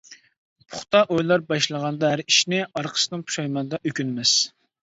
پۇختا ئويلار باشلىغاندا ھەر ئىشنى، ئارقىسىدىن پۇشايماندا ئۆكۈنمەس.